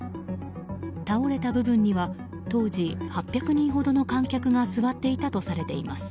倒れた部分には当時８００人ほどの観客が座っていたとされています。